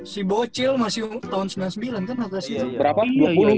si bocil masih tahun sembilan ratus sembilan puluh dua